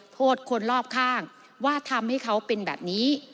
โทษคนรอบข้างว่าทำให้เขาเป็นแบบนี้